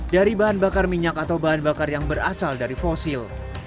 dari bahan bakar minyak atau bahan bakar yang berasal dari fosil